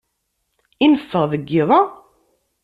I neffeɣ deg yiḍ-a?